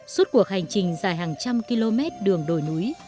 suốt cuộc hành trình dài hàng trăm km đường đồi núi